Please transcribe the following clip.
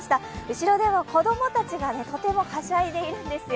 後ろでは子供たちがとてもはしゃいでいるんですよ。